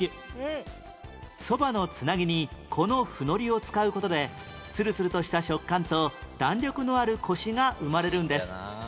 そばの繋ぎにこの布海苔を使う事でつるつるとした食感と弾力のあるコシが生まれるんです